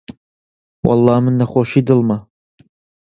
وەڵڵا من نەخۆشیی دڵمە